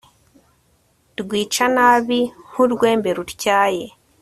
rwica nabi nk'urwembe rutyaye